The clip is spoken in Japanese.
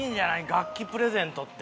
楽器プレゼントって。